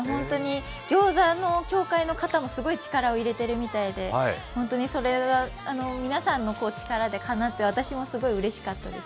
ギョーザの協会の方もすごい力を入れてるみたいで本当にそれが皆さんの力でかなって、私もすごいうれしかったです。